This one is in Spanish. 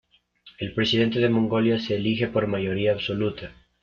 El Presidente de Mongolia se elige por mayoría absoluta.